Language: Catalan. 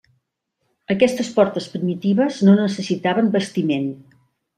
Aquestes portes primitives no necessitaven bastiment.